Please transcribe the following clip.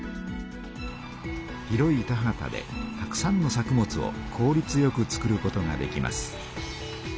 広い田畑でたくさんの作物をこうりつよく作ることができます。